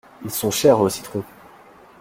Ils sont chers vos citrons.